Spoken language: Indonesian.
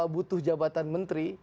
butuh jabatan menteri